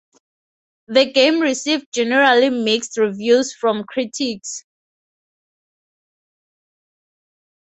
The game received generally mixed reviews from critics.